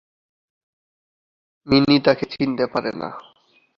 Mini তাকে চিনতে পারে না।